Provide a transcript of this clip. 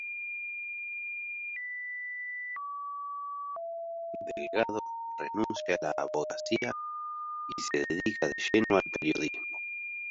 Delgado renuncia a la abogacía y se dedica de lleno al periodismo.